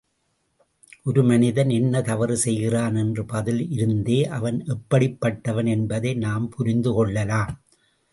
ஒரு மனிதன் என்ன தவறு செய்கிறான் என்பதில் இருந்தே இவன் எப்படிப்பட்டவன் என்பதை நாம் புரிந்து கொள்ளலாம்.